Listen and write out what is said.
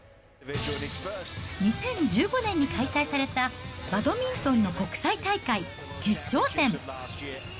２０１５年に開催されたバドミントンの国際大会決勝戦。